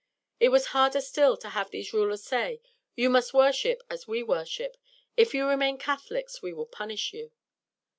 It was harder still to have these rulers say, "You must worship as we worship. If you remain Catholics, we will punish you."